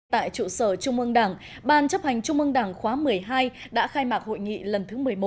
tại trụ sở trung ương đảng ban chấp hành trung ương đảng khóa một mươi hai đã khai mạc hội nghị lần thứ một mươi một